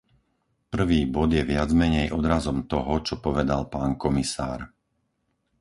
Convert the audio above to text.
Prvý bod je viac-menej odrazom toho, čo povedal pán komisár.